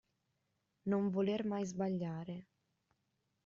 Non voler mai sbagliare.